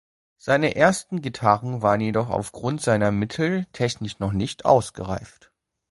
Seine ersten Gitarren waren jedoch aufgrund seiner Mittel technisch noch nicht ausgereift.